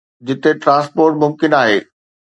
جتي ٽرانسپورٽ ممڪن آهي.